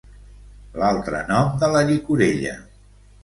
L'altre nom de la llicorella.